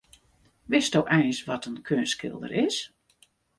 Witsto eins wat in keunstskilder is?